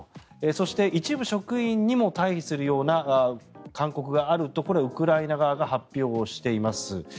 そして一部職員にも退避するような勧告があるとこれはウクライナ側が発表しています。